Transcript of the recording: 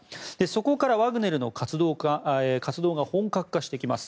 そこからワグネルの活動が本格化してきます。